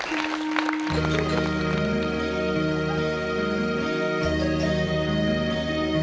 เอาเลยกับเพลงนี้